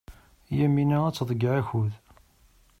Yamina ad tḍeyyeɛ akud.